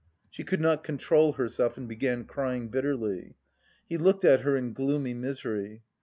She could not control herself and began crying bitterly. He looked at her in gloomy misery.